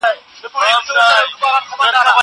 زه به سبا ښوونځی ځم!!